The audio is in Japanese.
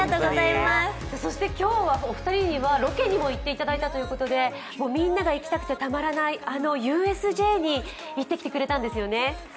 そしてお二人にはロケにも行っていただいたということでみんなが行きたくてたまらない、あのＵＳＪに行ってきてくれたんですよね。